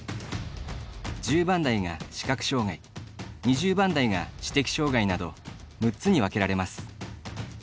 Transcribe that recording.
１０番台が視覚障がい２０番台が知的障がいなど６つに分けられます。